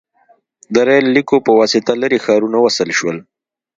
• د ریل لیکو په واسطه لرې ښارونه وصل شول.